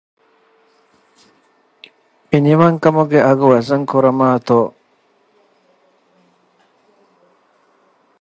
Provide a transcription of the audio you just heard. މުޅި މަގުވަނީ ކާރޫބާރޫ ބޮޑުވެފަ